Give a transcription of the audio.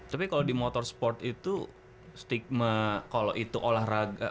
tapi kalo di motorsport itu stigma kalo itu olahraga